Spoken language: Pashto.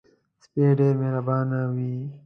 سپي ډېر مهربانه وي.